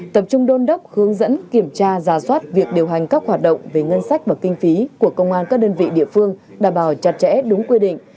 tập trung đôn đốc hướng dẫn kiểm tra giả soát việc điều hành các hoạt động về ngân sách và kinh phí của công an các đơn vị địa phương đảm bảo chặt chẽ đúng quy định